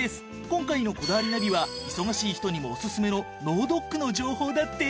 今回の『こだわりナビ』は忙しい人にもおすすめの脳ドックの情報だって。